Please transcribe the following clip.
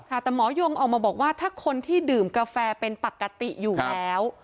แต่หมอยงออกมาบอกว่าถ้าคนที่ดื่มกาแฟเป็นปกติอยู่แล้ว